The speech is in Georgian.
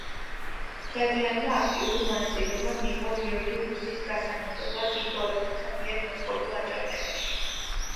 დადიანმა აქტიური მონაწილეობა მიიღო გიორგი რუსის გასამეფებლად დიდგვაროვანთა მიერ მოწყობილ აჯანყებაში.